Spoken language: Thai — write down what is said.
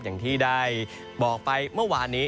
อย่างที่ได้บอกไปเมื่อวานนี้